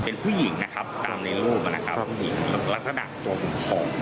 เป็นผู้หญิงนะครับตามในรูปนะครับผู้หญิงลักษณะตัวผอม